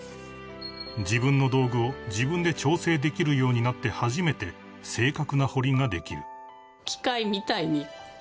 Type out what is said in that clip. ［自分の道具を自分で調整できるようになって初めて正確な彫りができる］